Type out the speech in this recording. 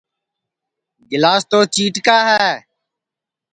گِلاس تو چِیٹکا ہے